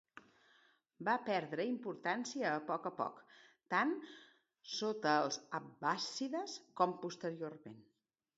Va perdre importància a poc a poc, tant sota els abbàssides com posteriorment.